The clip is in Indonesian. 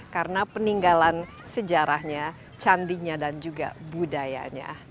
karena peninggalan sejarahnya candinya dan juga budayanya